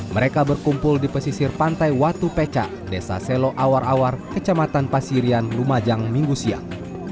mereka berkumpul di pesisir pantai watu pecah desa selo awar awar kecamatan pasirian lumajang minggu siang